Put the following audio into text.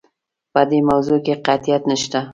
په دې موضوع کې قطعیت نشته.